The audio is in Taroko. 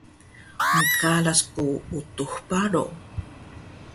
Mqaras ku Utux Baro